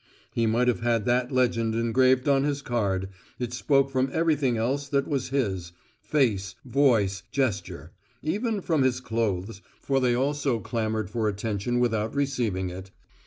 He might have had that legend engraved on his card, it spoke from everything else that was his: face, voice, gesture even from his clothes, for they also clamoured for attention without receiving it.